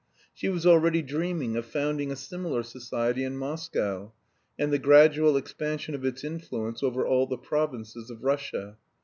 She was already dreaming of founding a similar society in Moscow, and the gradual expansion of its influence over all the provinces of Russia.